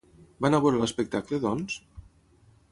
Va anar a veure l'espectacle, doncs?